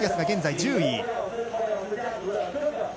現在１０位。